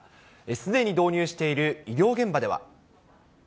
すでに導入している医療現場では。